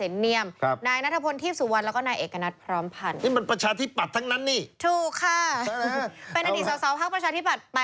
และอันนี้ท่วมหน่วยการพักประชาธิปัตธ์